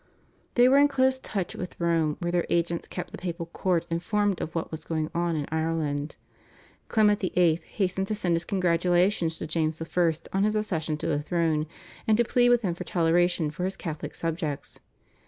They were in close touch with Rome where their agents kept the Papal Court informed of what was going on in Ireland. Clement VIII. hastened to send his congratulations to James I. on his accession to the throne, and to plead with him for toleration for his Catholic subjects.